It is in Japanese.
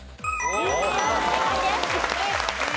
正解です。